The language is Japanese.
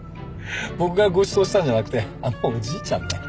僕がごちそうしたんじゃなくてあのおじいちゃんね。